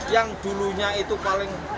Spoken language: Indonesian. yang dulunya itu paling empat belas lima belas